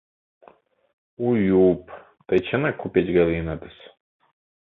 У й-у-уп, тый чынак купеч гай лийынатыс!..